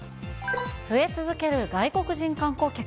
増え続ける外国人観光客。